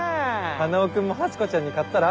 花男君もハチ子ちゃんに買ったら？